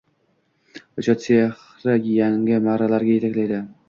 Ijod sehri yangi marralarga yetaklaydi